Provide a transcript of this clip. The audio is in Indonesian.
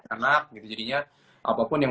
anak jadinya apapun yang